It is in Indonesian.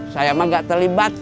saya mah enggak terlibat